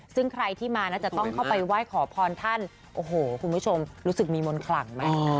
ซึ่งใครที่มานะจะต้องเข้าไปไหว้ขอพรท่านโอ้โหคุณผู้ชมรู้สึกมีมนต์ขลังไหม